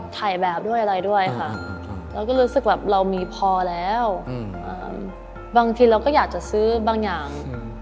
ถ่ายแบบด้วยอะไรด้วยค่ะเราก็รู้สึกแบบเรามีพอแล้วบางทีเราก็อยากจะซื้อบางอย่าง